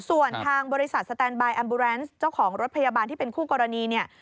ส่วนทางบริษัทสแตนบายแอมบูแรนซ์เจ้าของรถพยาบาลที่เป็นคู่กรณีเนี่ย